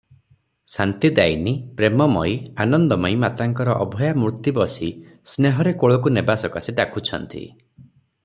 ଶାନ୍ତିଦାୟିନୀ ପ୍ରେମମୟୀ ଆନନ୍ଦମୟୀ ମାତାଙ୍କର ଅଭୟା ମୂର୍ତ୍ତି ବସି ସ୍ନେହରେ କୋଳକୁ ନେବା ସକାଶେ ଡାକୁଛନ୍ତି।